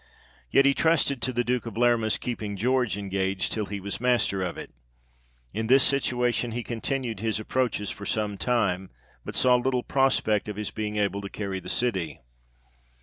Yet he trusted to the Duke of Lerma's keeping George engaged till he was master of it. In this situation, he continued his approaches for some time, but saw little prospect of his being able to carry the city.